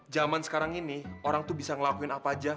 zaman sekarang ini orang tuh bisa ngelakuin apa aja